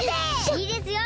いいですよ